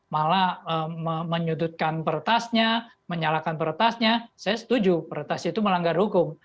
malah menyudutkan peretasnya menyalahkan peretasnya saya setuju peretas itu melanggar hukum